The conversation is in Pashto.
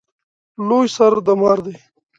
لوی سر د مار دی